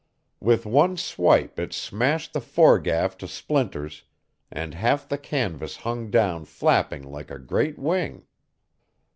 With one swipe it smashed the foregaff to splinters, and half the canvas hung down flapping like a great wing.